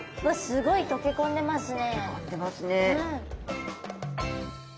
溶け込んでますね。